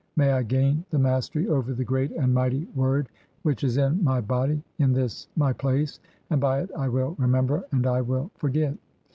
May I gain the "mastery over the great and mighty word which is in my body "in this my place, and by it I will (22) remember and I will "forget.